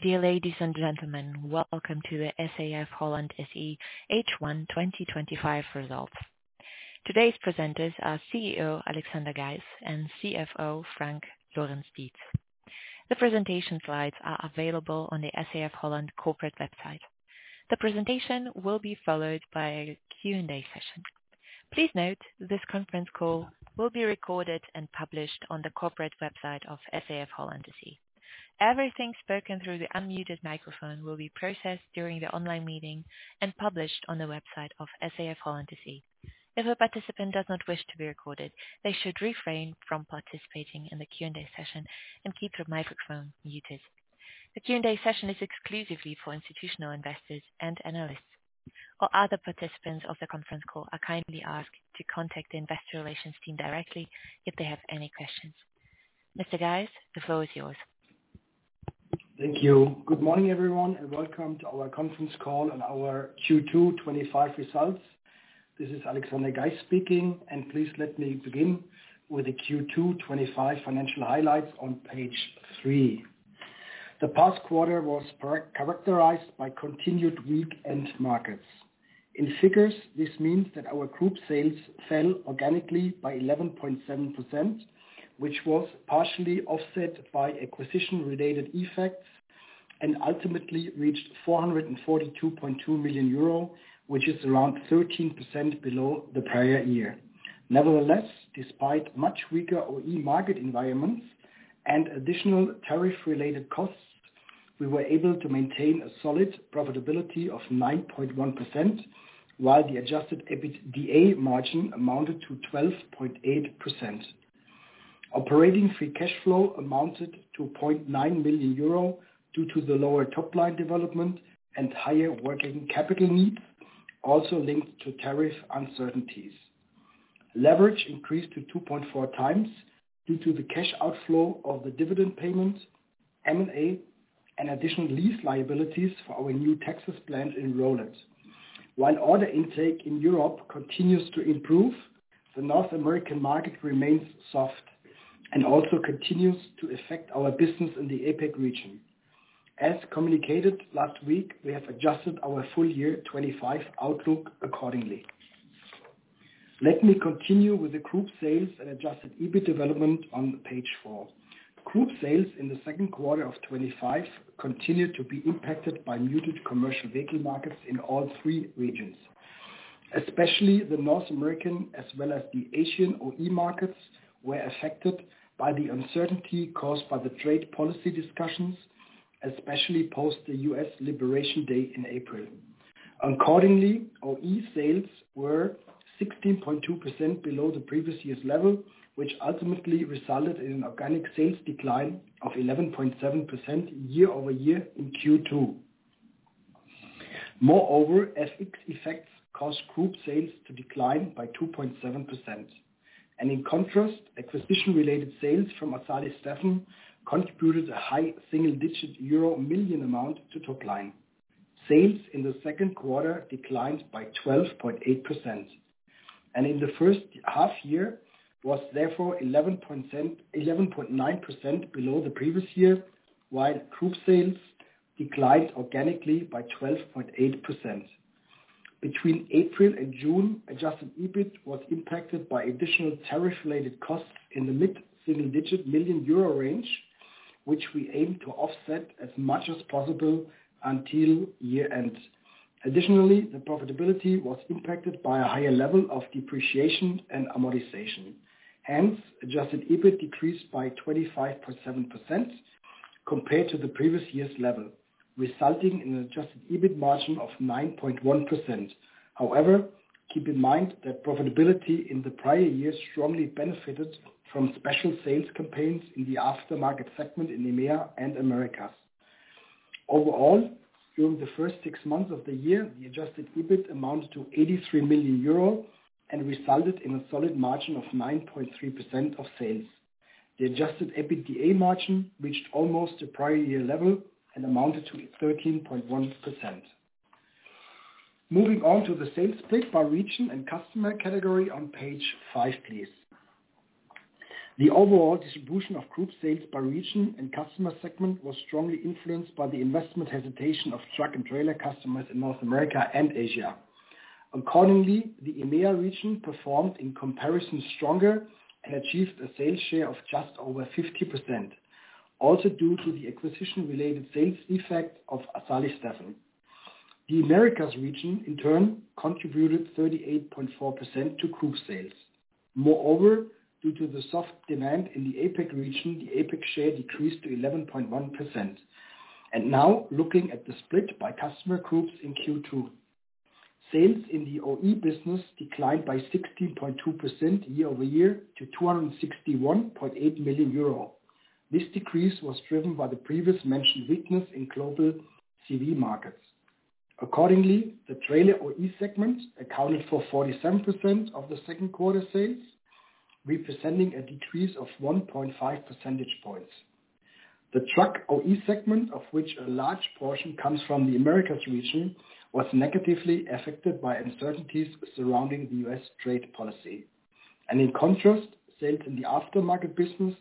Dear ladies and gentlemen, welcome to the SAF-Holland SE H1 2025 results. Today's presenters are CEO Alexander Geis and CFO Frank Lorenz-Dietz. The presentation slides are available on the SAF-Holland corporate website. The presentation will be followed by a Q&A session. Please note this conference call will be recorded and published on the corporate website of SAF-Holland SE. Everything spoken through the unmuted microphone will be processed during the online meeting and published on the website of SAF-Holland SE. If a participant does not wish to be recorded, they should refrain from participating in the Q&A session and keep the microphone muted. The Q&A session is exclusively for institutional investors and analysts. All other participants of the conference call are kindly asked to contact the investor relations team directly if they have any questions. Mr. Geis, the floor is yours. Thank you. Good morning, everyone, and welcome to our conference call on our Q2 2025 results. This is Alexander Geis speaking, and please let me begin with the Q2 2025 financial highlights on page three. The past quarter was characterized by continued weak end markets. In figures, this means that our group sales fell organically by 11.7%, which was partially offset by acquisition-related effects and ultimately reached 442.2 million euro, which is around 13% below the prior year. Nevertheless, despite much weaker OE market environments and additional tariff-related costs, we were able to maintain a solid profitability of 9.1%, while the adjusted EBITDA margin amounted to 12.8%. Operating free cash flow amounted to 0.9 million euro due to the lower top-line development and higher working capital needs, also linked to tariff uncertainties. Leverage increased to 2.4 times due to the cash outflow of the dividend payment, M&A, and additional lease liabilities for our new Texas plant in Rowland. While order intake in Europe continues to improve, the North American market remains soft and also continues to affect our business in the APAC region. As communicated last week, we have adjusted our full year 2025 outlook accordingly. Let me continue with the group sales and adjusted EBIT development on page four. Group sales in the second quarter of 2025 continue to be impacted by muted commercial vehicle markets in all three regions. Especially the North American, as well as the Asian OE markets, were affected by the uncertainty caused by the trade policy discussions, especially post the U.S. Liberation Day in April. Accordingly, OE sales were 16.2% below the previous year's level, which ultimately resulted in an organic sales decline of 11.7% year over year in Q2. Moreover, FX effects caused group sales to decline by 2.7%. In contrast, acquisition-related sales from Assali-Stefen contributed a high single-digit euro million amount to top-line. Sales in the second quarter declined by 12.8%. In the first half-year, it was therefore 11.9% below the previous year, while group sales declined organically by 12.8%. Between April and June, adjusted EBIT was impacted by additional tariff-related costs in the mid-single-digit million euro range, which we aimed to offset as much as possible until year-end. Additionally, the profitability was impacted by a higher level of depreciation and amortization. Hence, adjusted EBIT decreased by 25.7% compared to the previous year's level, resulting in an adjusted EBIT margin of 9.1%. However, keep in mind that profitability in the prior years strongly benefited from special sales campaigns in the aftermarket segment in EMEA and Americas. Overall, during the first six months of the year, the adjusted EBIT amounted to 83 million euro and resulted in a solid margin of 9.3% of sales. The adjusted EBITDA margin reached almost the prior year level and amounted to 13.1%. Moving on to the sales split by region and customer category on page five, please. The overall distribution of group sales by region and customer segment was strongly influenced by the investment hesitation of truck and trailer customers in North America and Asia. Accordingly, the EMEA region performed in comparison stronger and achieved a sales share of just over 50%, also due to the acquisition-related sales effect of Assali-Stefen. The Americas region, in turn, contributed 38.4% to group sales. Moreover, due to the soft demand in the APAC region, the APAC share decreased to 11.1%. Now, looking at the split by customer groups in Q2. Sales in the OE business declined by 16.2% year over year to 261.8 million euro. This decrease was driven by the previously mentioned weakness in global CV markets. Accordingly, the trailer OE segment accounted for 47% of the second quarter sales, representing a decrease of 1.5 percentage points. The truck OE segment, of which a large portion comes from the Americas region, was negatively affected by uncertainties surrounding the U.S. trade policy. In contrast, sales in the aftermarket business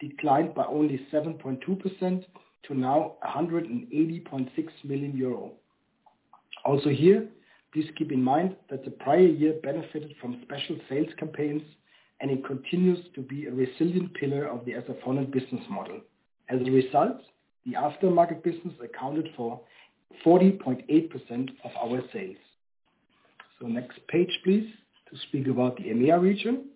declined by only 7.2% to now 180.6 million euro. Also here, please keep in mind that the prior year benefited from special sales campaigns, and it continues to be a resilient pillar of the SAF-Holland business model. As a result, the aftermarket business accounted for 40.8% of our sales. Next page, please, to speak about the EMEA region.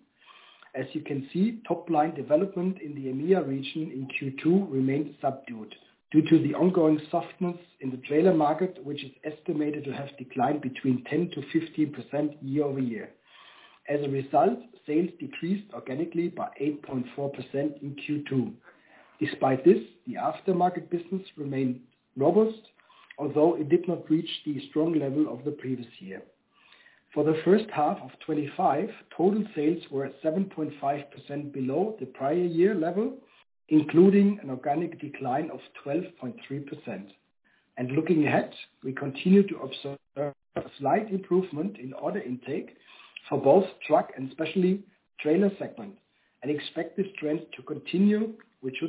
As you can see, top-line development in the EMEA region in Q2 remained subdued due to the ongoing softness in the trailer market, which is estimated to have declined between 10%-15% year over year. As a result, sales decreased organically by 8.4% in Q2. Despite this, the aftermarket business remained robust, although it did not reach the strong level of the previous year. For the first half of 2025, total sales were 7.5% below the prior year level, including an organic decline of 12.3%. Looking ahead, we continue to observe a slight improvement in order intake for both truck and especially trailer segments, an expected trend to continue, which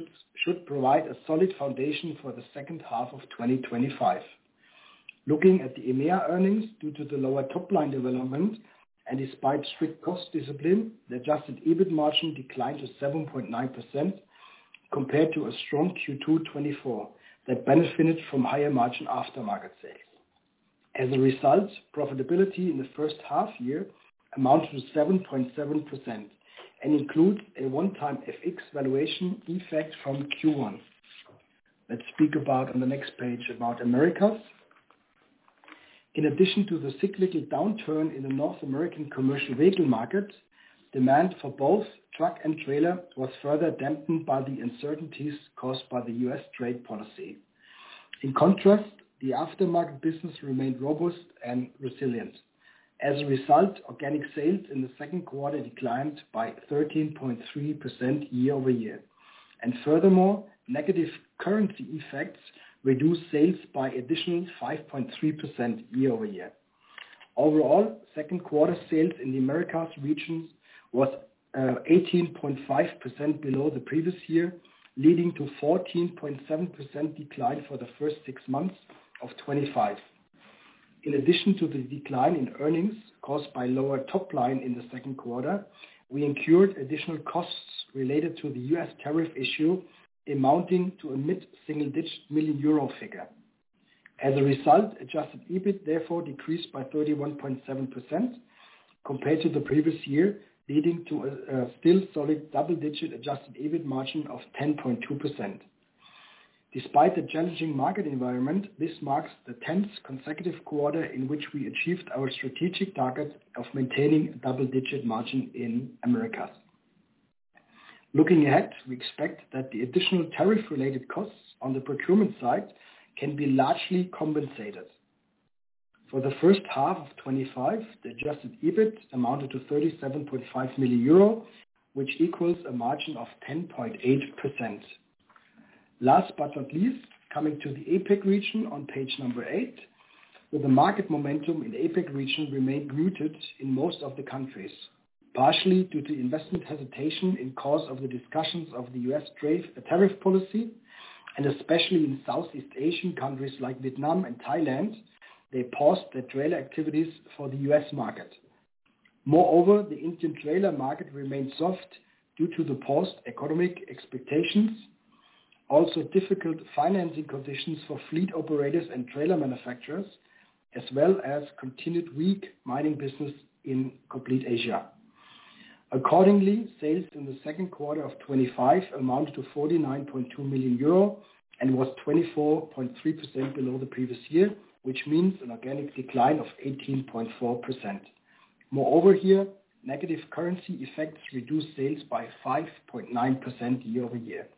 should provide a solid foundation for the second half of 2025. Looking at the EMEA earnings, due to the lower top-line development and despite strict cost discipline, the adjusted EBIT margin declined to 7.9% compared to a strong Q2 2024 that benefited from higher margin aftermarket sales. As a result, profitability in the first half-year amounted to 7.7% and includes a one-time FX valuation effect from Q1. Let's speak about, on the next page, Americas. In addition to the cyclical downturn in the North American commercial vehicle market, demand for both truck and trailer was further dampened by the uncertainties caused by the U.S. trade policy. In contrast, the aftermarket business remained robust and resilient. As a result, organic sales in the second quarter declined by 13.3% year over year. Furthermore, negative currency effects reduced sales by an additional 5.3% year over year. Overall, second quarter sales in the Americas region were 18.5% below the previous year, leading to a 14.7% decline for the first six months of 2025. In addition to the decline in earnings caused by lower top-line in the second quarter, we incurred additional costs related to the U.S. tariff issue, amounting to a mid-single-digit million euro figure. As a result, adjusted EBIT therefore decreased by 31.7% compared to the previous year, leading to a still solid double-digit adjusted EBIT margin of 10.2%. Despite the challenging market environment, this marks the 10th consecutive quarter in which we achieved our strategic target of maintaining a double-digit margin in Americas. Looking ahead, we expect that the additional tariff-related costs on the procurement side can be largely compensated. For the first half of 2025, the adjusted EBIT amounted to 37.5 million euro, which equals a margin of 10.8%. Last but not least, coming to the APAC region on page number eight, the market momentum in the APAC region remained muted in most of the countries, partially due to investment hesitation in the course of the discussions of the U.S. tariff policy, and especially in Southeast Asian countries like Vietnam and Thailand, they paused their trailer activities for the U.S. market. Moreover, the Indian trailer market remained soft due to the paused economic expectations, also difficult financing conditions for fleet operators and trailer manufacturers, as well as continued weak mining business in complete Asia. Accordingly, sales in the second quarter of 2025 amounted to 49.2 million euro and were 24.3% below the previous year, which means an organic decline of 18.4%. Moreover, here, negative currency effects reduced sales by 5.9% year over year.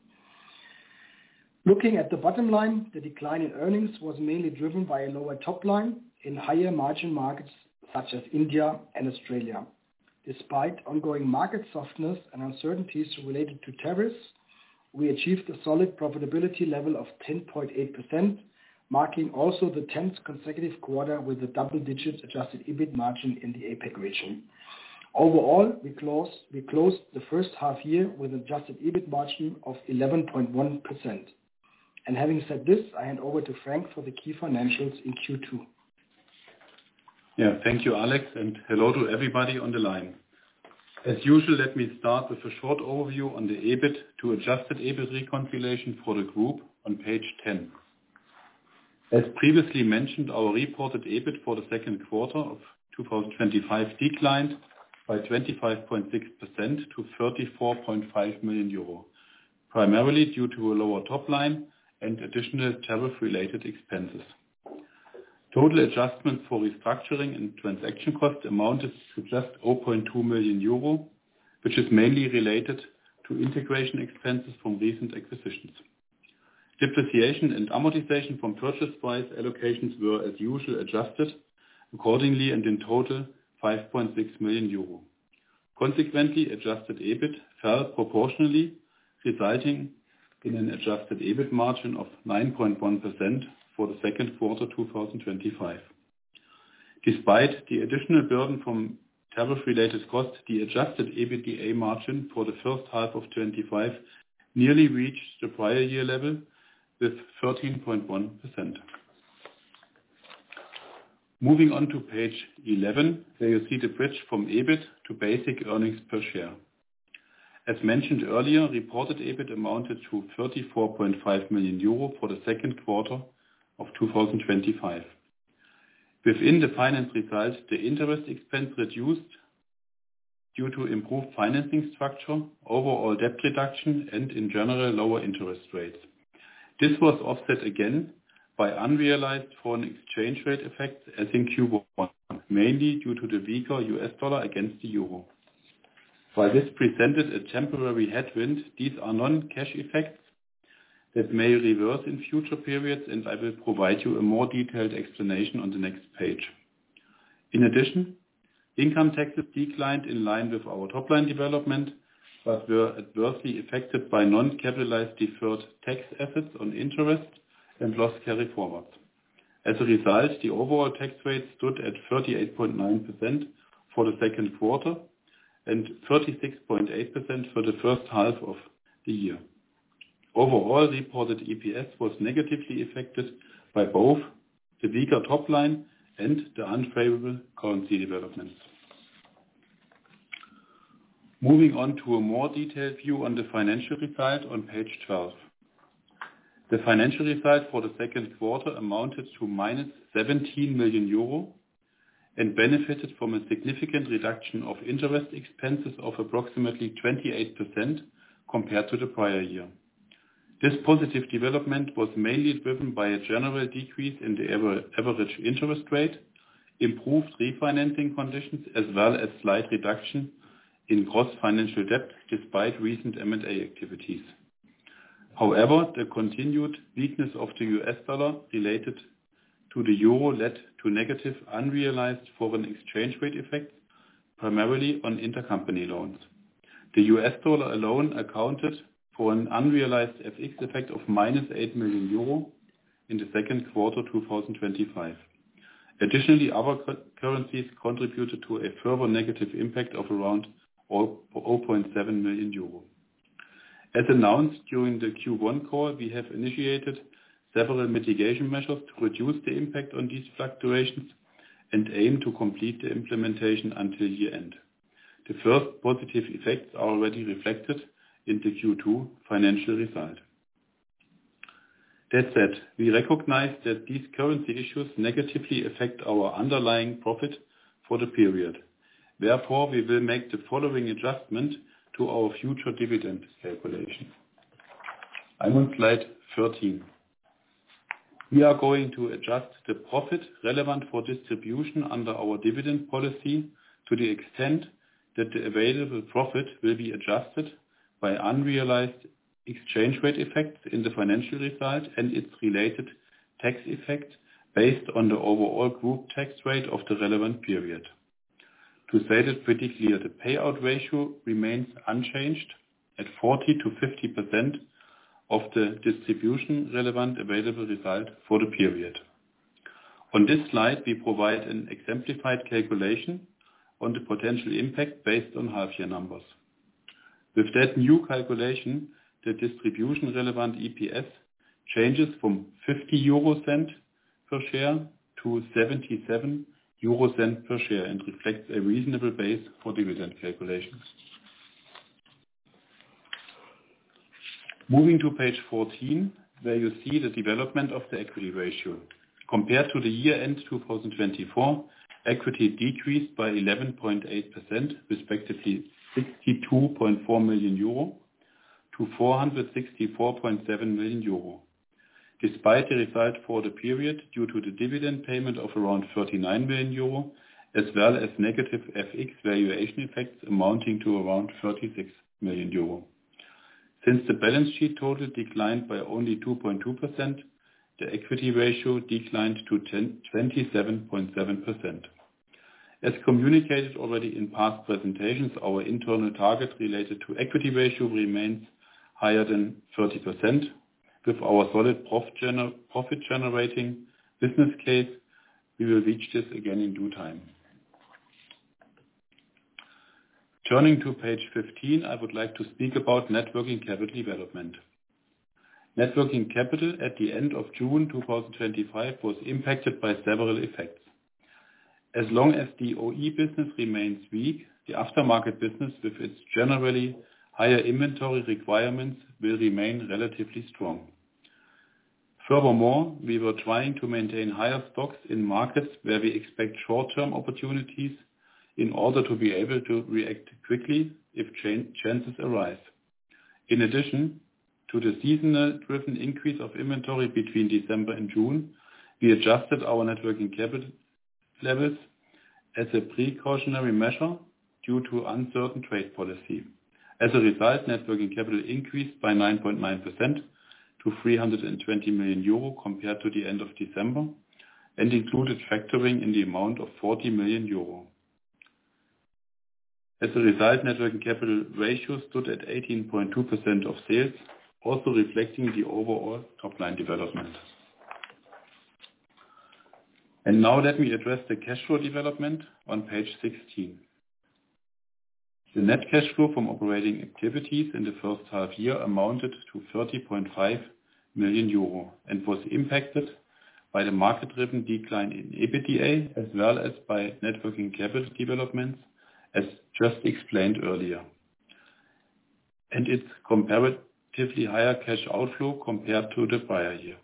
Looking at the bottom line, the decline in earnings was mainly driven by a lower top-line in higher margin markets such as India and Australia. Despite ongoing market softness and uncertainties related to tariffs, we achieved a solid profitability level of 10.8%, marking also the 10th consecutive quarter with a double-digit adjusted EBIT margin in the APAC region. Overall, we closed the first half-year with an adjusted EBIT margin of 11.1%. Having said this, I hand over to Frank for the key financials in Q2. Yeah, thank you, Alex, and hello to everybody on the line. As usual, let me start with a short overview on the EBIT to adjusted EBIT reconciliation for the group on page 10. As previously mentioned, our reported EBIT for the second quarter of 2025 declined by 25.6% to 34.5 million euro, primarily due to a lower top-line and additional tariff-related expenses. Total adjustments for restructuring and transaction costs amounted to just 0.2 million euro, which is mainly related to integration expenses from recent acquisitions. Depreciation and amortization from purchase price allocations were, as usual, adjusted accordingly, and in total, 5.6 million euro. Consequently, adjusted EBIT fell proportionally, resulting in an adjusted EBIT margin of 9.1% for the second quarter of 2025. Despite the additional burden from tariff-related costs, the adjusted EBITDA margin for the first half of 2025 nearly reached the prior year level with 13.1%. Moving on to page 11, here you see the bridge from EBIT to basic earnings per share. As mentioned earlier, reported EBIT amounted to 34.5 million euro for the second quarter of 2025. Within the finance results, the interest expense reduced due to improved financing structure, overall debt reduction, and in general, lower interest rates. This was offset again by unrealized foreign exchange rate effects, as in Q1, mainly due to the weaker U.S. dollar against the euro. While this presented a temporary headwind, these are non-cash effects that may reverse in future periods, and I will provide you a more detailed explanation on the next page. In addition, income taxes declined in line with our top-line development, but were adversely affected by non-capitalized deferred tax assets on interest and loss carryforwards. As a result, the overall tax rate stood at 38.9% for the second quarter and 36.8% for the first half of the year. Overall, reported EPS was negatively affected by both the weaker top-line and the unfavorable currency developments. Moving on to a more detailed view on the financial result on page 12. The financial result for the second quarter amounted to minus 17 million euro and benefited from a significant reduction of interest expenses of approximately 28% compared to the prior year. This positive development was mainly driven by a general decrease in the average interest rate, improved refinancing conditions, as well as a slight reduction in gross financial debt despite recent M&A activities. However, the continued weakness of the U.S. dollar related to the euro led to negative unrealized foreign exchange rate effects, primarily on intercompany loans. The U.S. dollar alone accounted for an unrealized FX effect of minus 8 million euro in the second quarter of 2025. Additionally, other currencies contributed to a further negative impact of around 0.7 million euros. As announced during the Q1 call, we have initiated several mitigation measures to reduce the impact on these fluctuations and aim to complete the implementation until year-end. The first positive effects are already reflected in the Q2 financial result. That said, we recognize that these currency issues negatively affect our underlying profit for the period. Therefore, we will make the following adjustment to our future dividend calculation. I'm on slide 13. We are going to adjust the profit relevant for distribution under our dividend policy to the extent that the available profit will be adjusted by unrealized exchange rate effects in the financial result and its related tax effect based on the overall group tax rate of the relevant period. To say it pretty clear, the payout ratio remains unchanged at 40%-50% of the distribution relevant available result for the period. On this slide, we provide an exemplified calculation on the potential impact based on half-year numbers. With that new calculation, the distribution relevant EPS changes from 0.50 per share to 0.77 per share and reflects a reasonable base for dividend calculation. Moving to page 14, where you see the development of the equity ratio. Compared to the year-end 2024, equity decreased by 11.8%, respectively 62.4 million-464.7 million euro, despite the result for the period due to the dividend payment of around 39 million euro, as well as negative FX valuation effects amounting to around 36 million euro. Since the balance sheet total declined by only 2.2%, the equity ratio declined to 27.7%. As communicated already in past presentations, our internal target related to equity ratio remains higher than 30%. With our solid profit-generating business case, we will reach this again in due time. Turning to page 15, I would like to speak about networking capital development. Networking capital at the end of June 2025 was impacted by several effects. As long as the OE business remains weak, the aftermarket business, with its generally higher inventory requirements, will remain relatively strong. Furthermore, we were trying to maintain higher stocks in markets where we expect short-term opportunities in order to be able to react quickly if chances arise. In addition to the seasonal-driven increase of inventory between December and June, we adjusted our working capital levels as a precautionary measure due to uncertain trade policy. As a result, working capital increased by 9.9% to 320 million euro compared to the end of December and included factoring in the amount of 40 million euro. As a result, working capital ratio stood at 18.2% of sales, also reflecting the overall top-line development. Now, let me address the cash flow development on page 16. The net cash flow from operating activities in the first half-year amounted to 30.5 million euro and was impacted by the market-driven decline in EBITDA as well as by working capital developments, as just explained earlier, and its comparatively higher cash outflow compared to the prior year.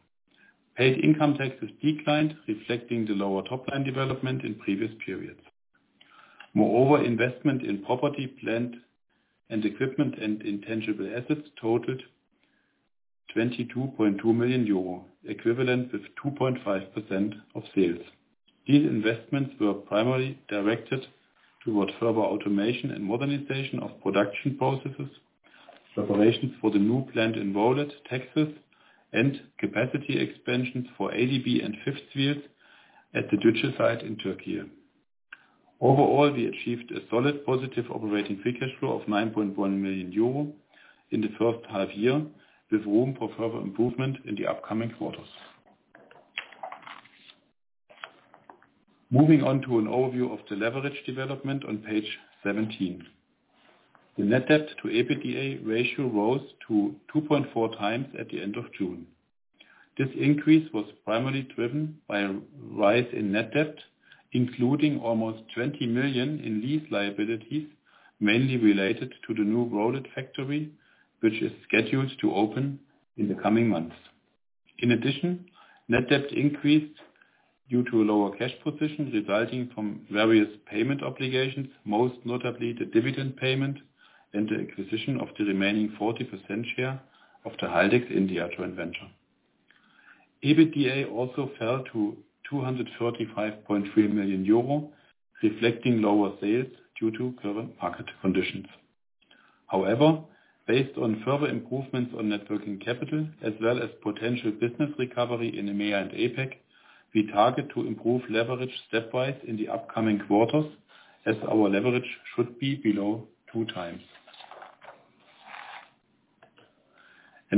Paid income taxes declined, reflecting the lower top-line development in previous periods. Moreover, investment in property, plant and equipment, and intangible assets totaled 22.2 million euro, equivalent with 2.5% of sales. These investments were primarily directed toward further automation and modernization of production processes, preparations for the new plant in Rowland, Texas, and capacity expansions for ADB and fifth wheels at the Dutche site in Turkey. Overall, we achieved a solid positive operating free cash flow of 9.1 million euro in the first half-year, with room for further improvement in the upcoming quarters. Moving on to an overview of the leverage development on page 17. The net debt to EBITDA ratio rose to 2.4 times at the end of June. This increase was primarily driven by a rise in net debt, including almost 20 million in lease liabilities, mainly related to the new Rowland factory, which is scheduled to open in the coming months. In addition, net debt increased due to a lower cash position resulting from various payment obligations, most notably the dividend payment and the acquisition of the remaining 40% share of the Haldex India joint venture. EBITDA also fell to 235.3 million euro, reflecting lower sales due to current market conditions. However, based on further improvements on working capital, as well as potential business recovery in EMEA and APAC, we target to improve leverage stepwise in the upcoming quarters, as our leverage should be below two times.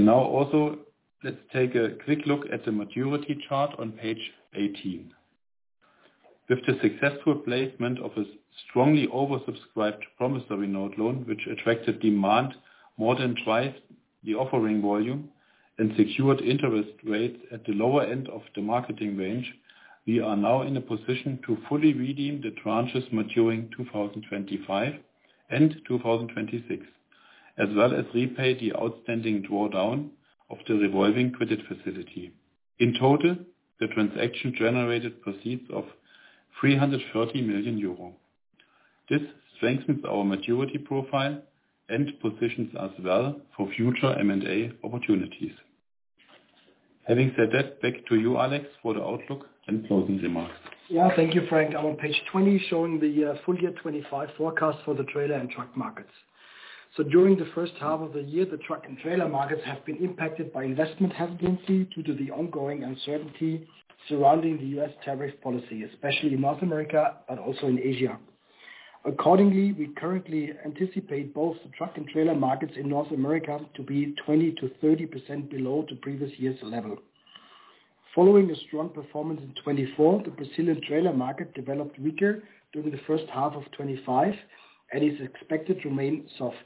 Now, also, let's take a quick look at the maturity chart on page 18. With the successful placement of a strongly oversubscribed promissory note loan, which attracted demand more than twice the offering volume and secured interest rates at the lower end of the marketing range, we are now in a position to fully redeem the tranches maturing 2025 and 2026, as well as repay the outstanding drawdown of the revolving credit facility. In total, the transaction generated proceeds of 330 million euro. This strengthens our maturity profile and positions us well for future M&A opportunities. Having said that, back to you, Alex, for the outlook and closing remarks. Thank you, Frank. I'm on page 20, showing the full year 2025 forecast for the trailer and truck markets. During the first half of the year, the truck and trailer markets have been impacted by investment hesitancy due to the ongoing uncertainty surrounding the U.S. tariff policy, especially in North America, but also in Asia. Accordingly, we currently anticipate both the truck and trailer markets in North America to be 20%-30% below the previous year's level. Following a strong performance in 2024, the Brazilian trailer market developed weaker during the first half of 2025 and is expected to remain soft.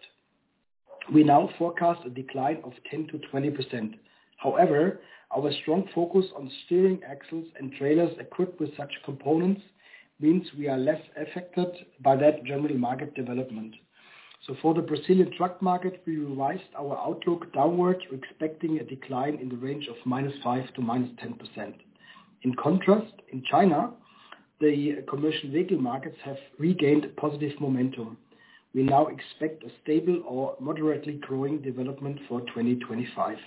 We now forecast a decline of 10%-20%. However, our strong focus on steering axles and trailers equipped with such components means we are less affected by that general market development. For the Brazilian truck market, we revised our outlook downward, expecting a decline in the range of -5% to -10%. In contrast, in China, the commercial vehicle markets have regained positive momentum. We now expect a stable or moderately growing development for 2025.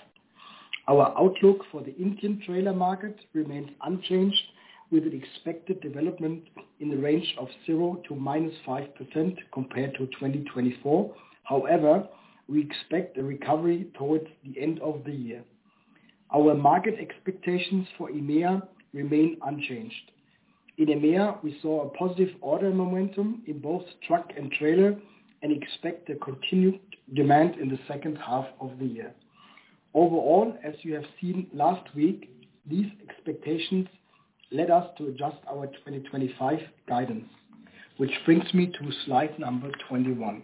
Our outlook for the Indian trailer market remains unchanged, with an expected development in the range of 0% to -5% compared to 2024. However, we expect a recovery towards the end of the year. Our market expectations for EMEA remain unchanged. In EMEA, we saw a positive order momentum in both truck and trailer and expect continued demand in the second half of the year. Overall, as you have seen last week, these expectations led us to adjust our 2025 guidance, which brings me to slide number 21.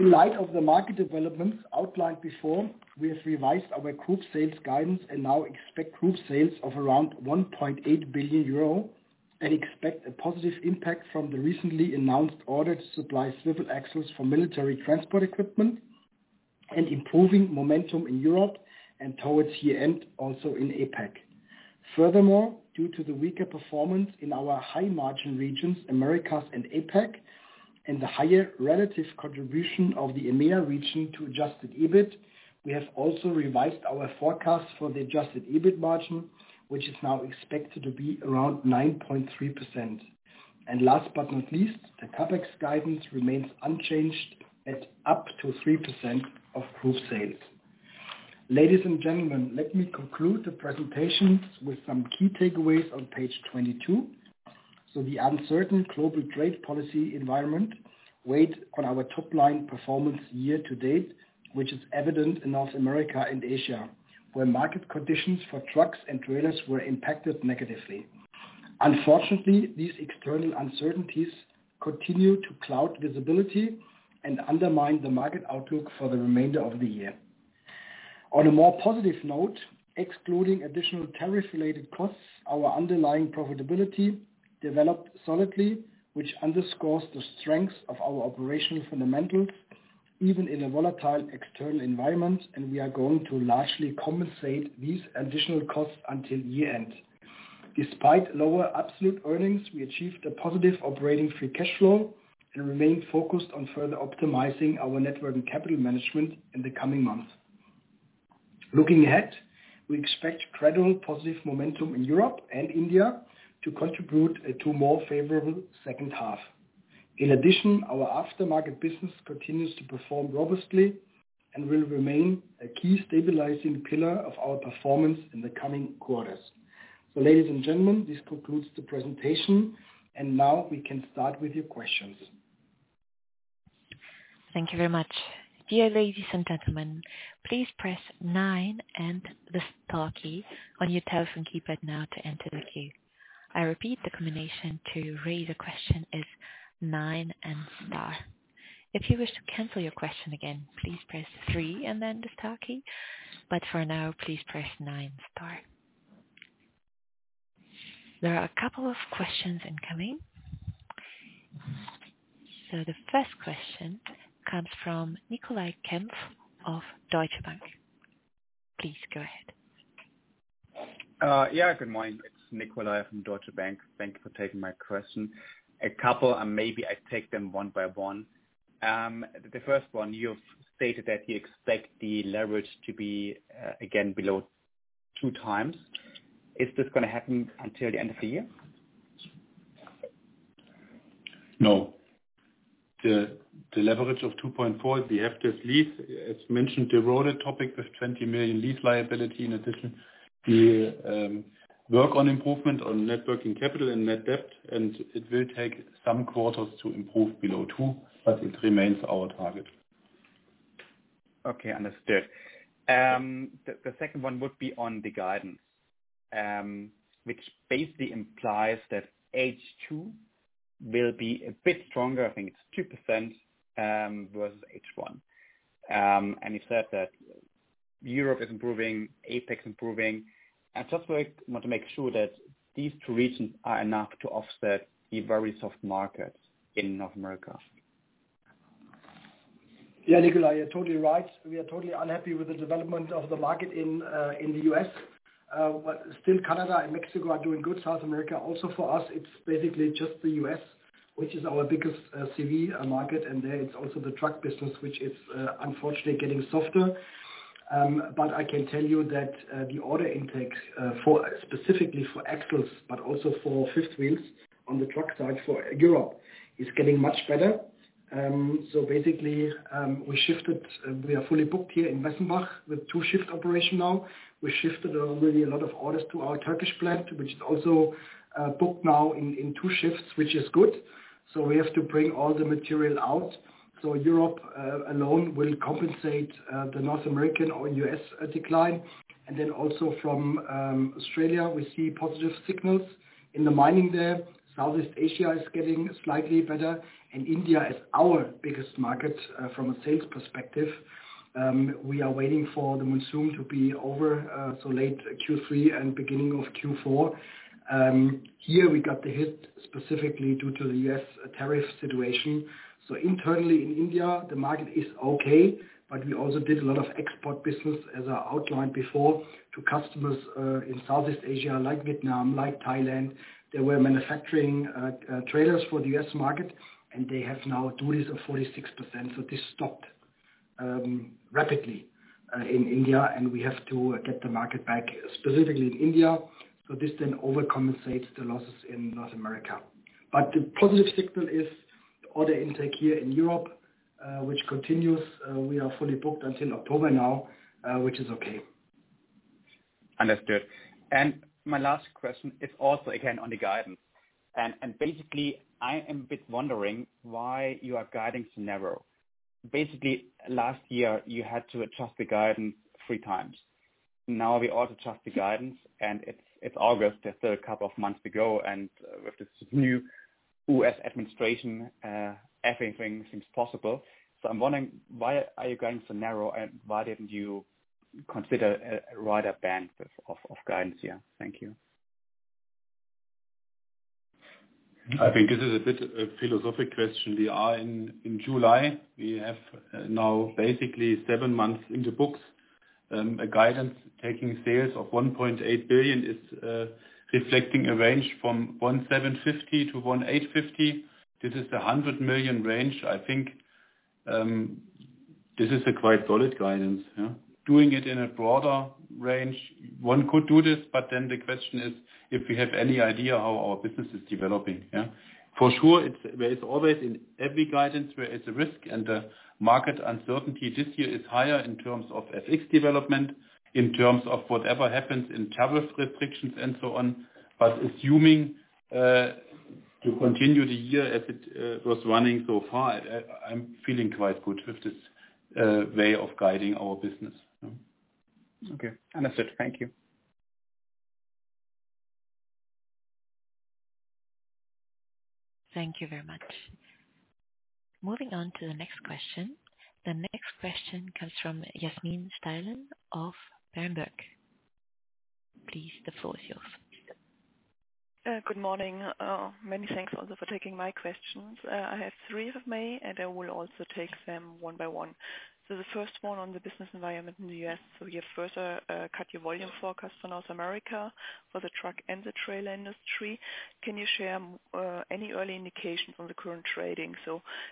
In light of the market developments outlined before, we have revised our group sales guidance and now expect group sales of around 1.8 billion euro and expect a positive impact from the recently announced order to supply swivel axles for military transport equipment and improving momentum in Europe and towards year-end, also in APAC. Furthermore, due to the weaker performance in our high margin regions, Americas and APAC, and the higher relative contribution of the EMEA region to adjusted EBIT, we have also revised our forecast for the adjusted EBIT margin, which is now expected to be around 9.3%. Last but not least, the CapEx guidance remains unchanged at up to 3% of group sales. Ladies and gentlemen, let me conclude the presentations with some key takeaways on page 22. The uncertain global trade policy environment weighed on our top-line performance year to date, which is evident in North America and Asia, where market conditions for trucks and trailers were impacted negatively. Unfortunately, these external uncertainties continue to cloud visibility and undermine the market outlook for the remainder of the year. On a more positive note, excluding additional tariff-related costs, our underlying profitability developed solidly, which underscores the strengths of our operational fundamentals, even in a volatile external environment, and we are going to largely compensate these additional costs until year-end. Despite lower absolute earnings, we achieved a positive operating free cash flow and remain focused on further optimizing our network and capital management in the coming months. Looking ahead, we expect credible positive momentum in Europe and India to contribute to a more favorable second half. In addition, our aftermarket business continues to perform robustly and will remain a key stabilizing pillar of our performance in the coming quarters. Ladies and gentlemen, this concludes the presentation, and now we can start with your questions. Thank you very much. Dear ladies and gentlemen, please press nine and the star key on your telephone keypad now to enter the queue. I repeat, the combination to raise a question is nine and star. If you wish to cancel your question again, please press three and then the star key. For now, please press nine star. There are a couple of questions incoming. The first question comes from Nikolai Kempf of Deutsche Bank. Please go ahead. Yeah, good morning. It's Nikolai from Deutsche Bank. Thank you for taking my question. A couple, and maybe I take them one by one. The first one, you've stated that you expect the leverage to be again below 2x. Is this going to happen until the end of the year? No. The leverage of 2.4 is the FTS lease. As mentioned, the Rowland topic was 20 million lease liability. In addition, the work on improvement on working capital and net debt, and it will take some quarters to improve below two, but it remains our target. Okay, understood. The second one would be on the guidance, which basically implies that H2 will be a bit stronger. I think it's 2% versus H1. You said that Europe is improving, APAC is improving. I just want to make sure that these two regions are enough to offset the very soft markets in North America. Yeah, Nikolai, you're totally right. We are totally unhappy with the development of the market in the U.S. Still, Canada and Mexico are doing good. South America also for us. It's basically just the U.S., which is our biggest CV market, and there it's also the truck business, which is unfortunately getting softer. I can tell you that the order intakes specifically for axles, but also for fifth wheels on the truck side for Europe, is getting much better. Basically, we shifted. We are fully booked here in Wesenbach with two-shift operation now. We shifted already a lot of orders to our Turkish plant, which is also booked now in two shifts, which is good. We have to bring all the material out. Europe alone will compensate the North American or U.S. decline. Also, from Australia, we see positive signals in the mining there. Southeast Asia is getting slightly better, and India is our biggest market from a sales perspective. We are waiting for the monsoon to be over, so late Q3 and beginning of Q4. Here we got the hit specifically due to the U.S. tariff situation. Internally in India, the market is okay, but we also did a lot of export business, as I outlined before, to customers in Southeast Asia like Vietnam, like Thailand. They were manufacturing trailers for the U.S. market, and they have now duties of 46%. This stopped rapidly in India, and we have to get the market back specifically in India. This then overcompensates the losses in North America. The positive signal is order intake here in Europe, which continues. We are fully booked until October now, which is okay. Understood. My last question is also again on the guidance. Basically, I am a bit wondering why your guidance is narrow. Last year you had to adjust the guidance three times. Now we also adjust the guidance, and it's August. There's still a couple of months to go, and with this new U.S. administration, everything seems possible. I'm wondering why are you going so narrow and why didn't you consider a wider band of guidance here? Thank you. I think this is a bit of a philosophic question. We are in July. We have now basically seven months in the books. A guidance taking sales of 1.8 billion is reflecting a range from 1.75 billion-1.85 billion. This is the $100 million range. I think this is a quite solid guidance. Doing it in a broader range, one could do this, but then the question is if we have any idea how our business is developing. For sure, there is always in every guidance where it's a risk, and the market uncertainty this year is higher in terms of FX development, in terms of whatever happens in tariff restrictions and so on. Assuming to continue the year as it was running so far, I'm feeling quite good with this way of guiding our business. Okay. Understood. Thank you. Thank you very much. Moving on to the next question. The next question comes from Yasmin Steilen of Berenberg. Please, the floor is yours. Good morning. Many thanks also for taking my questions. I have three of me, and I will also take them one by one. The first one on the business environment in the U.S. We have further cut your volume forecast for North America for the truck and the trailer industry. Can you share any early indications on the current trading?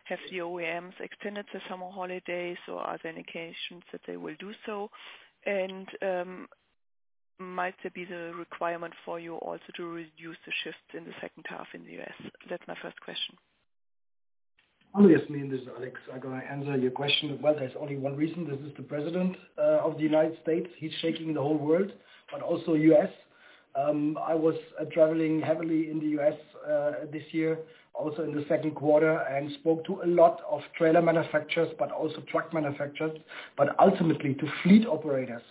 Have the OEMs extended the summer holidays, or are there indications that they will do so? Might there be the requirement for you also to reduce the shifts in the second half in the U.S.? That's my first question. Hello, Yasmin. This is Alex. I'm going to answer your question. There is only one reason. This is the President of the U.S. He's shaking the whole world, but also the U.S. I was traveling heavily in the U.S. this year, also in the second quarter, and spoke to a lot of trailer manufacturers, but also truck manufacturers. Ultimately, to fleet operators,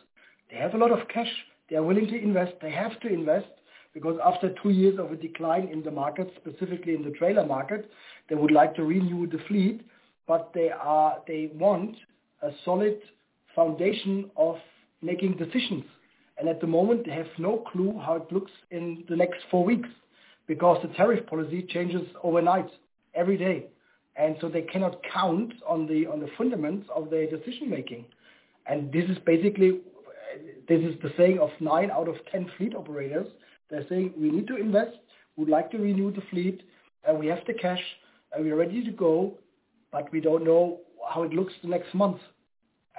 they have a lot of cash. They are willing to invest. They have to invest because after two years of a decline in the market, specifically in the trailer market, they would like to renew the fleet, but they want a solid foundation of making decisions. At the moment, they have no clue how it looks in the next four weeks because the tariff policy changes overnight, every day. They cannot count on the fundaments of their decision-making. This is basically the saying of nine out of 10 fleet operators. They're saying we need to invest, we'd like to renew the fleet, we have the cash, we are ready to go, but we don't know how it looks the next month.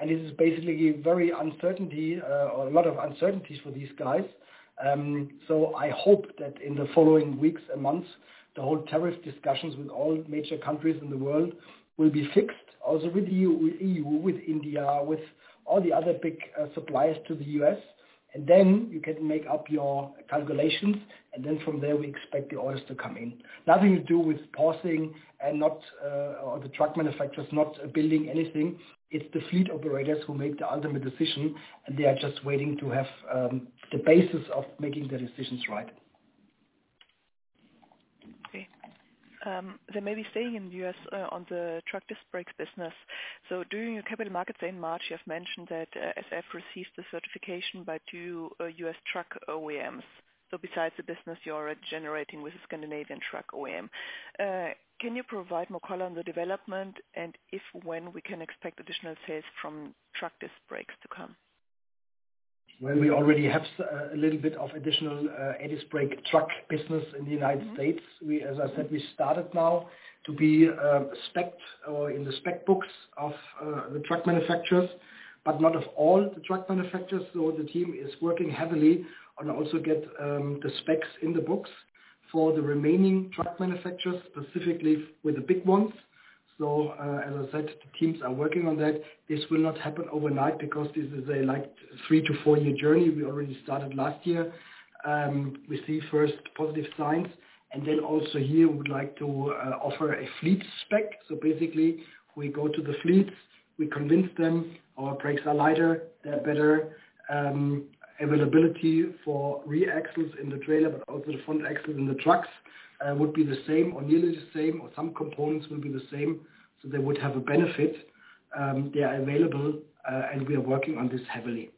This is basically a very uncertainty, a lot of uncertainties for these guys. I hope that in the following weeks and months, the whole tariff discussions with all major countries in the world will be fixed, also with the EU, with India, with all the other big suppliers to the U.S. Then you can make up your calculations, and from there, we expect the orders to come in. Nothing to do with pausing and not, or the truck manufacturers not building anything. It's the fleet operators who make the ultimate decision, and they are just waiting to have the basis of making the decisions right. Okay. There may be a saying in the U.S. on the truck disc brakes business. During your capital markets in March, you have mentioned that SAF received the certification by two U.S. truck OEMs. Besides the business you are already generating with the Scandinavian truck OEM, can you provide more color on the development and if or when we can expect additional sales from truck disc brakes to come? We already have a little bit of additional disc brake truck business in the United States. As I said, we started now to be specced in the spec books of the truck manufacturers, but not of all the truck manufacturers. The team is working heavily on also getting the specs in the books for the remaining truck manufacturers, specifically with the big ones. As I said, the teams are working on that. This will not happen overnight because this is a like three to four-year journey. We already started last year. We see first positive signs, and also here we would like to offer a fleet spec. Basically, we go to the fleets, we convince them our brakes are lighter, they're better, availability for rear axles in the trailer, but also the front axles in the trucks would be the same or nearly the same, or some components will be the same. They would have a benefit. They are available, and we are working on this heavily.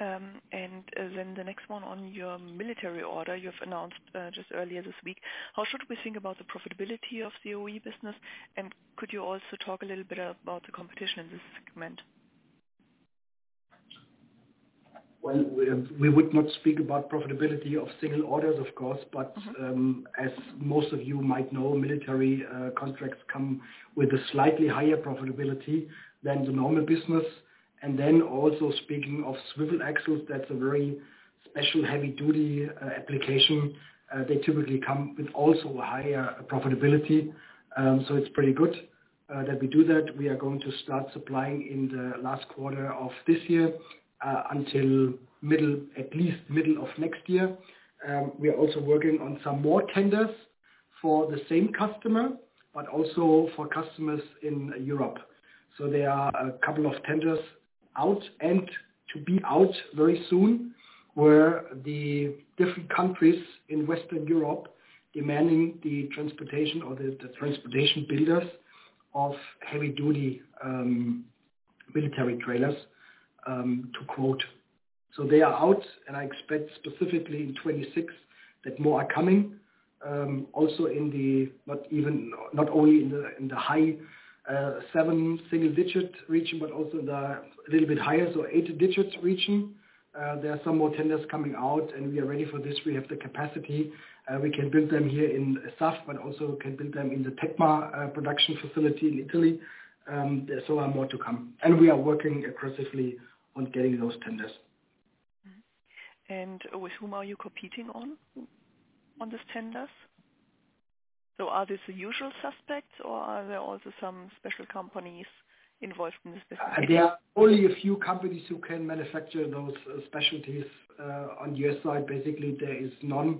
Okay. The next one on your military order, you have announced just earlier this week. How should we think about the profitability of the OE business, and could you also talk a little bit about the competition in this segment? We would not speak about profitability of single orders, of course, but as most of you might know, military contracts come with a slightly higher profitability than the normal business. Also, speaking of swivel axles, that's a very special heavy-duty application. They typically come with also a higher profitability. It's pretty good that we do that. We are going to start supplying in the last quarter of this year until at least middle of next year. We are also working on some more tenders for the same customer, but also for customers in Europe. There are a couple of tenders out and to be out very soon where the different countries in Western Europe are demanding the transportation or the transportation builders of heavy-duty military trailers to quote. They are out, and I expect specifically in 2026 that more are coming. Also, not only in the high seven single-digit region, but also in the little bit higher, so eight-digit region, there are some more tenders coming out, and we are ready for this. We have the capacity. We can build them here in SAF, but also can build them in the TECMA production facility in Italy. There's so much more to come. We are working aggressively on getting those tenders. With whom are you competing on these tenders? Are these the usual suspects, or are there also some special companies involved in this? There are only a few companies who can manufacture those specialties on the U.S. side. Basically, there is none.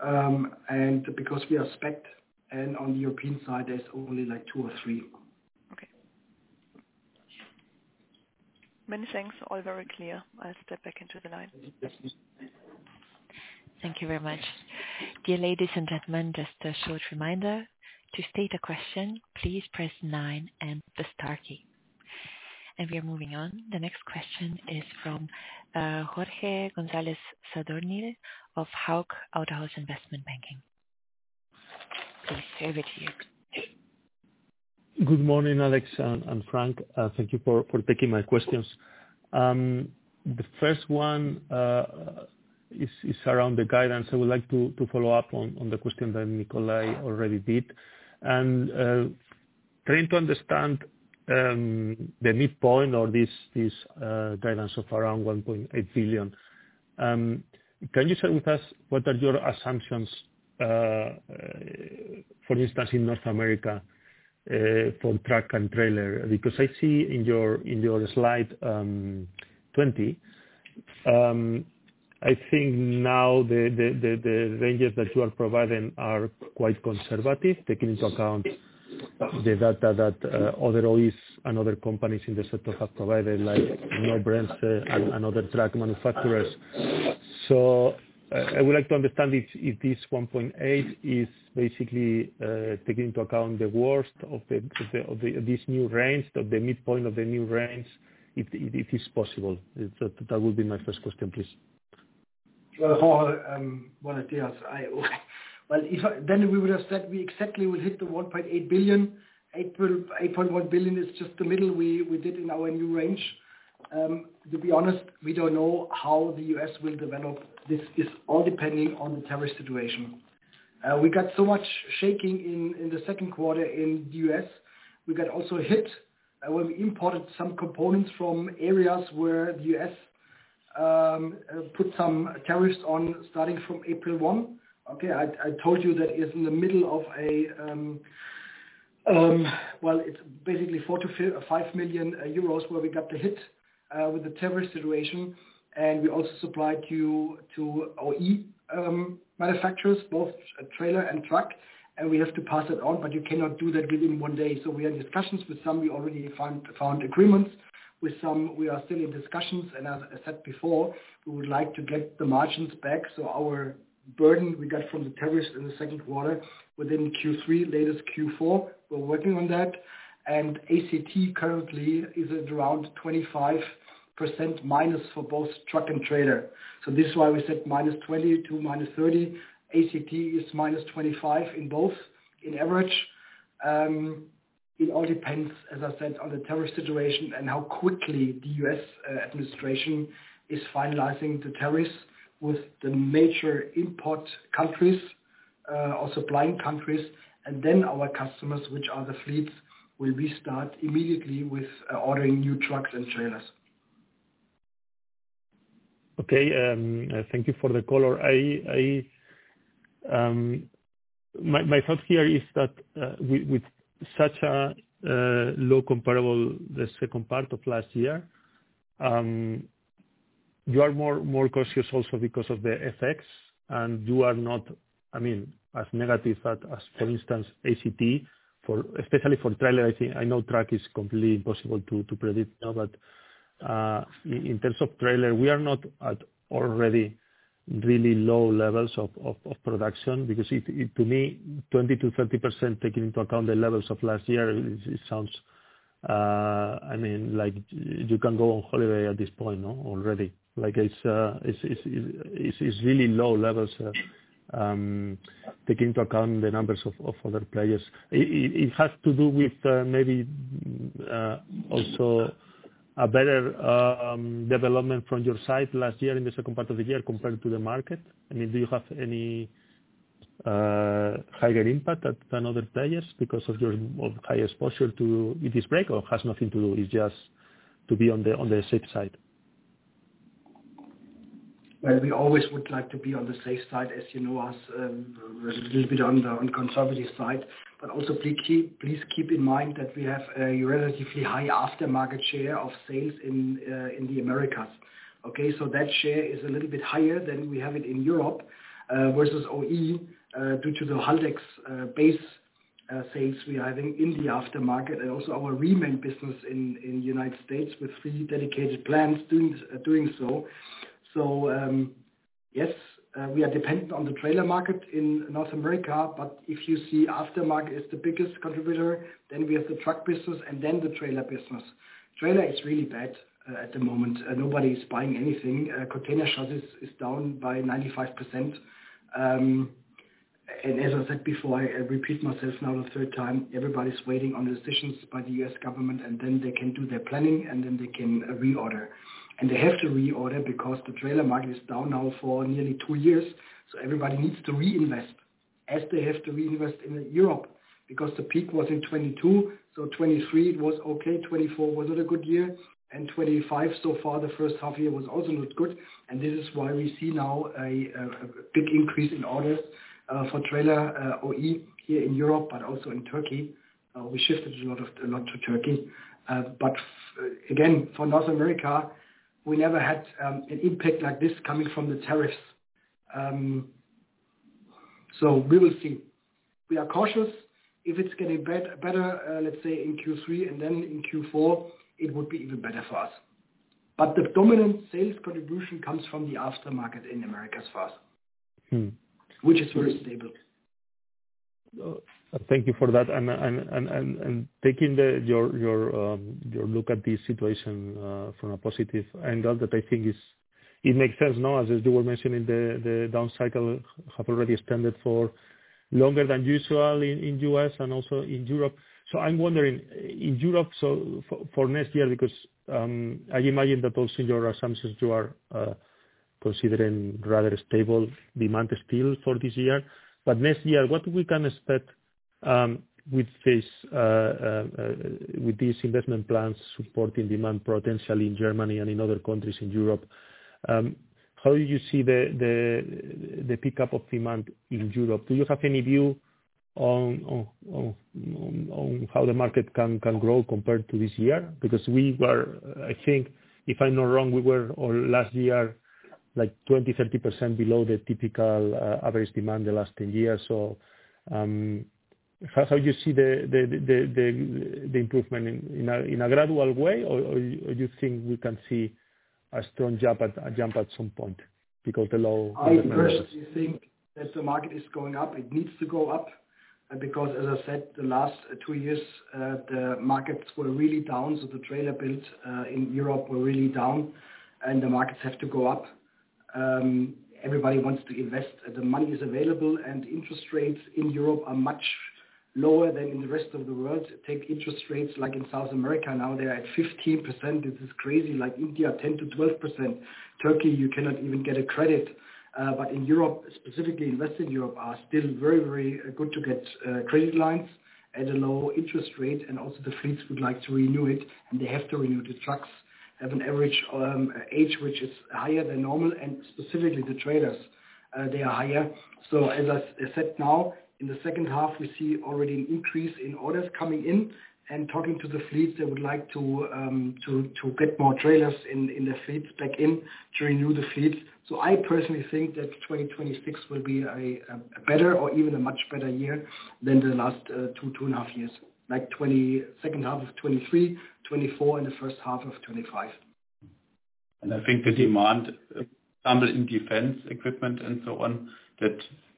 Because we are specced and on the European side, there's only like two or three. Okay. Many thanks. All very clear. I'll step back into the line. Thank you very much. Dear ladies and gentlemen, just a short reminder. To state a question, please press nine and the star key. We are moving on. The next question is from Jorge Gonzalez Sadurní of Hauck & Aufhäuser. Please say over to you. Good morning, Alex and Frank. Thank you for taking my questions. The first one is around the guidance. I would like to follow up on the question that Nikolai already did. Trying to understand the midpoint or this guidance of around 1.8 billion, can you share with us what are your assumptions, for instance, in North America for truck and trailer? I see in your slide 20, I think now the ranges that you are providing are quite conservative, taking into account the data that other OEs and other companies in the set of providers, like Knorr-Bremse and other truck manufacturers, provide. I would like to understand if this 1.8 billion is basically taking into account the worst of this new range, the midpoint of the new range, if it is possible. That would be my first question, please. If we had said, we exactly will hit the 1.8 billion, 1.8 billion is just the middle we did in our new range. To be honest, we don't know how the U.S. will develop. This is all depending on the tariff situation. We got so much shaking in the second quarter in the U.S. We also got hit when we imported some components from areas where the U.S. put some tariffs on, starting from April 1st. I told you that is in the middle of a—it's basically 4 million- 5 million euros where we got the hit with the tariff situation. We also supplied to OE manufacturers, both trailer and truck. We have to pass it on, but you cannot do that within one day. We are in discussions with some. We already found agreements with some. We are still in discussions. As I said before, we would like to get the margins back. Our burden we got from the tariffs in the second quarter within Q3, latest Q4. We're working on that. ACT currently is around 25% minus for both truck and trailer. This is why we said -20% to -30%. ACT is -25% in both in average. It all depends, as I said, on the tariff situation and how quickly the U.S. administration is finalizing the tariffs with the major import countries or supplying countries. Then our customers, which are the fleets, will restart immediately with ordering new trucks and trailers. Okay. Thank you for the color. My thought here is that with such a low comparable, the second part of last year, you are more cautious also because of the FX. You are not, I mean, as negative, but as, for instance, ACT, especially for trailer. I think I know truck is completely impossible to predict now. In terms of trailer, we are not at already really low levels of production because to me, 20%-30%, taking into account the levels of last year, it sounds like you can go on holiday at this point, no, already. It's really low levels, taking into account the numbers of other players. It has to do with maybe also a better development from your side last year in the second part of the year compared to the market. Do you have any higher impact than other players because of your high exposure to this break or has nothing to do? It's just to be on the safe side. We always would like to be on the safe side, as you know us. We're a little bit on the conservative side. Please keep in mind that we have a relatively high aftermarket share of sales in the Americas. That share is a little bit higher than we have it in Europe versus OE due to the Haldex base sales we have in the aftermarket and also our remain business in the United States with three dedicated plants doing so. Yes, we are dependent on the trailer market in North America. If you see, aftermarket is the biggest contributor, then we have the truck business and then the trailer business. Trailer is really bad at the moment. Nobody is buying anything. Container shuttles is down by 95%. As I said before, I repeat myself now the third time, everybody's waiting on decisions by the U.S. government, and then they can do their planning, and then they can reorder. They have to reorder because the trailer market is down now for nearly two years. Everybody needs to reinvest, as they have to reinvest in Europe, because the peak was in 2022. 2023 was okay. 2024 was not a good year. 2025 so far, the first half year was also not good. This is why we see now a big increase in orders for trailer OE here in Europe, but also in Turkey. We shifted a lot to Turkey. For North America, we never had an impact like this coming from the tariffs. We will see. We are cautious. If it's getting better, let's say in Q3, and then in Q4, it would be even better for us. The dominant sales contribution comes from the aftermarket in Americas first, which is very stable. Thank you for that. Taking your look at this situation from a positive angle, I think it makes sense, no, as you were mentioning, the down cycle has already extended for longer than usual in the U.S. and also in Europe. I'm wondering, in Europe, for next year, because I imagine that also in your assumptions, you are considering rather stable demand still for this year. Next year, what do we can expect with these investment plans supporting demand potential in Germany and in other countries in Europe? How do you see the pickup of demand in Europe? Do you have any view on how the market can grow compared to this year? Because we were, I think, if I'm not wrong, we were last year like 20%, 30% below the typical average demand the last 10 years. How do you see the improvement in a gradual way, or do you think we can see a strong jump at some point because of the low? I think that the market is going up. It needs to go up because, as I said, the last two years, the markets were really down. The trailer builds in Europe were really down, and the markets have to go up. Everybody wants to invest. The money is available, and interest rates in Europe are much lower than in the rest of the world. Take interest rates like in South America. Now they are at 15%. This is crazy. Like India, 10%-12%. Turkey, you cannot even get a credit. In Europe, specifically in Western Europe, it is still very, very good to get credit lines at a low interest rate. Also, the fleets would like to renew it. They have to renew the trucks. They have an average age which is higher than normal, and specifically the trailers, they are higher. As I said now, in the second half, we see already an increase in orders coming in and talking to the fleets. They would like to get more trailers in the fleets back in to renew the fleets. I personally think that 2026 will be a better or even a much better year than the last two, two and a half years, like the second half of 2023, 2024, and the first half of 2025. I think the demand stumbled in defense equipment and so on.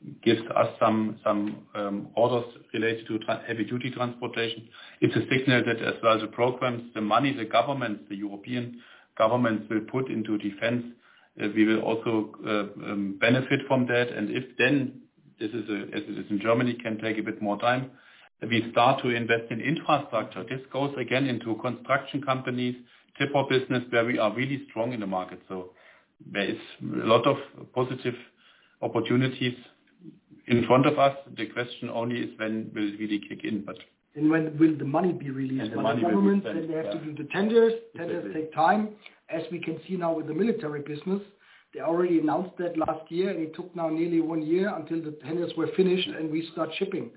That gives us some orders related to heavy-duty transportation. It's a signal that as well as the programs, the money the European governments will put into defense, we will also benefit from that. If then, this is as it is in Germany, can take a bit more time, we start to invest in infrastructure. This goes again into construction companies, TIPO business, where we are really strong in the market. There are a lot of positive opportunities in front of us. The question only is when will it really kick in. When will the money be released by the governments? They have to do the tenders. Tenders take time. As we can see now with the military business, they already announced that last year, and it took nearly one year until the tenders were finished and we start shipping.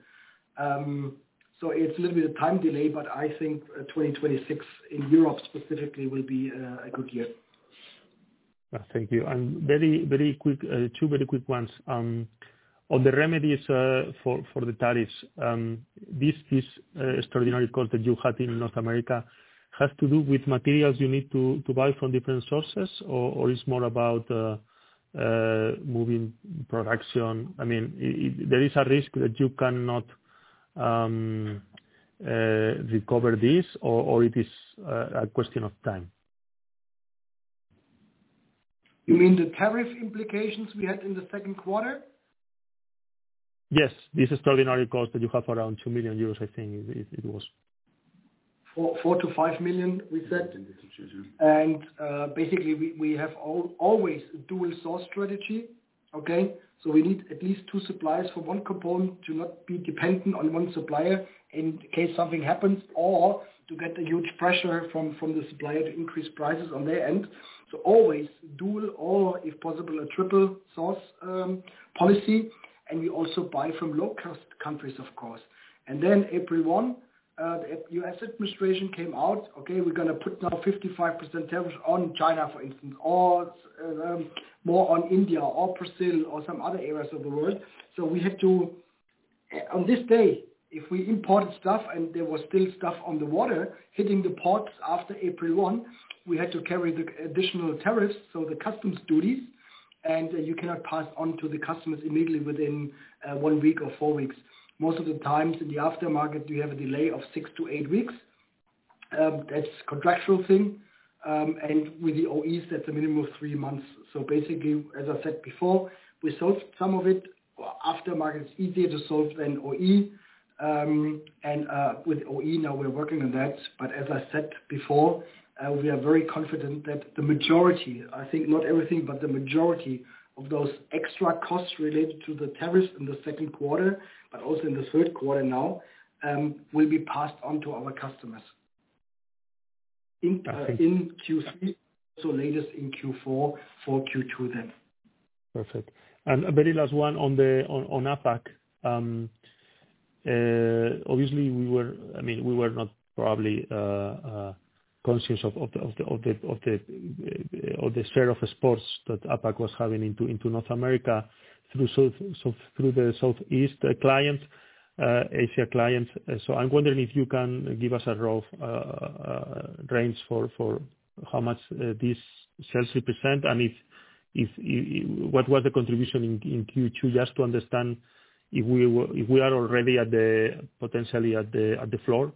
It's a limited time delay, but I think 2026 in Europe specifically will be a good year. Thank you. Two very quick ones. On the remedies for the tariffs, this extraordinary call that you had in North America has to do with materials you need to buy from different sources, or is it more about moving production? I mean, is there a risk that you cannot recover this, or is it a question of time? You mean the tariff implications we had in the second quarter? Yes, this extraordinary call that you have around 2 million euros, I think it was. 4 million-5 million, we said. Basically, we have always a dual source strategy. We need at least two suppliers for one component to not be dependent on one supplier in case something happens or to get the huge pressure from the supplier to increase prices on their end. Always dual or, if possible, a triple source policy. We also buy from low-cost countries, of course. On April 1st, the U.S. administration came out and said, okay, we're going to put now 55% tariffs on China, for instance, or more on India or Brazil or some other areas of the world. We had to, on this day, if we imported stuff and there was still stuff on the water hitting the ports after April 1, we had to carry the additional tariffs, so the customs duties. You cannot pass on to the customers immediately within one week or four weeks. Most of the times in the aftermarket, you have a delay of six to eight weeks. That's a contractual thing. With the OEs, that's a minimum of three months. As I said before, we solved some of it. Aftermarket is easier to solve than OE. With OE, now we're working on that. As I said before, we are very confident that the majority, I think not everything, but the majority of those extra costs related to the tariffs in the second quarter, but also in the third quarter now, will be passed on to our customers in Q3, so latest in Q4 for Q2 then. Perfect. A very last one on APAC. Obviously, we were not probably conscious of the share of exports that APAC was having into North America through the Southeast Asia clients. I'm wondering if you can give us a rough range for how much this shall represent and what was the contribution in Q2, just to understand if we are already potentially at the floor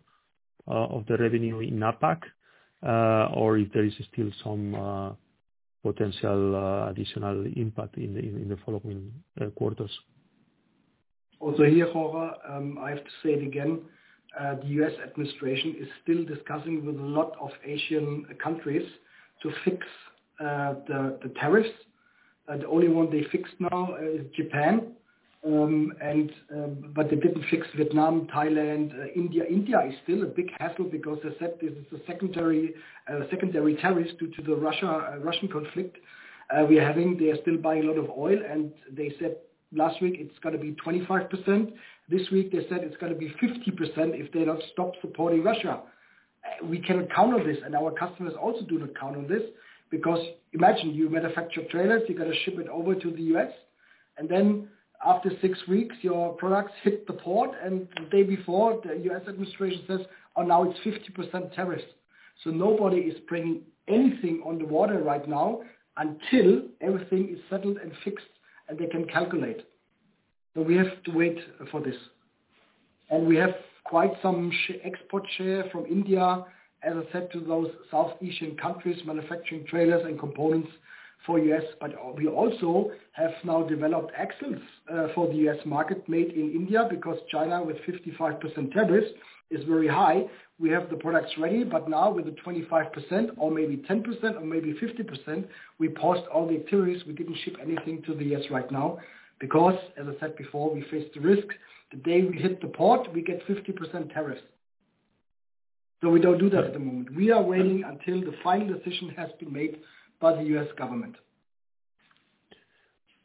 of the revenue in APAC or if there is still some potential additional impact in the following quarters. Also here, I have to say it again, the U.S. administration is still discussing with a lot of Asian countries to fix the tariffs. The only one they fixed now is Japan. They didn't fix Vietnam, Thailand, India. India is still a big hassle because they said this is a secondary tariff due to the Russian conflict we're having. They're still buying a lot of oil, and they said last week it's going to be 25%. This week they said it's going to be 50% if they don't stop supporting Russia. We cannot count on this, and our customers also do not count on this because imagine you manufacture trailers, you got to ship it over to the U.S., and then after six weeks, your products hit the port, and the day before the U.S. administration says, "Oh, now it's 50% tariffs." Nobody is bringing anything on the water right now until everything is settled and fixed and they can calculate. We have to wait for this. We have quite some export share from India, as I said, to those South Asian countries manufacturing trailers and components for U.S. We also have now developed axles for the U.S. market made in India because China with 55% tariffs is very high. We have the products ready, but now with 25% or maybe 10% or maybe 50%, we paused all the activities. We didn't ship anything to the U.S. right now because, as I said before, we faced the risk the day we hit the port, we get 50% tariffs. We don't do that at the moment. We are waiting until the final decision has been made by the U.S. government.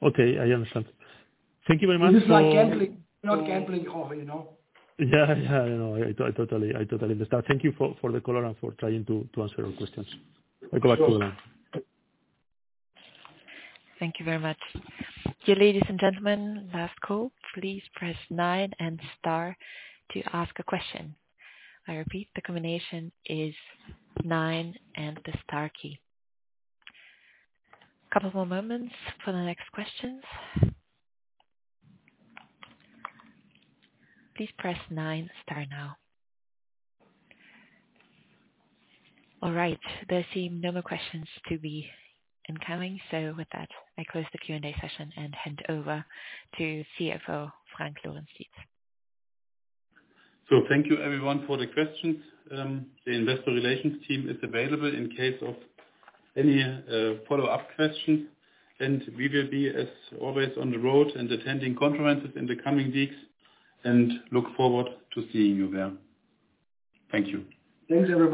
Okay, I understand. Thank you very much. It's not gambling, not gambling, you know. I understand. Thank you for the color and for trying to answer your questions. I'll go back to the line. Thank you very much. Dear ladies and gentlemen, last call. Please press nine and star to ask a question. I repeat, the combination is nine and the star key. A couple more moments for the next question. Please press nine star now. All right. There seem no more questions to be incoming. With that, I close the Q&A session and hand over to CFO Frank Lorenz-Dietz. Thank you everyone for the questions. The Investor Relations team is available in case of any follow-up questions. We will be, as always, on the road and attending conferences in the coming weeks and look forward to seeing you there. Thank you. Thanks, everyone.